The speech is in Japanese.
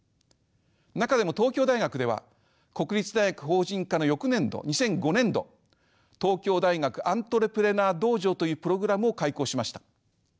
中でも東京大学では国立大学法人化の翌年度２００５年度東京大学アントレプレナー道場というプログラムを開講しました。